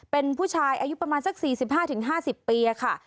เป็นผู้ชายอายุประมาณสัก๔๕๕๐ปีค่ะ